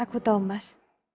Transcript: aku tau mas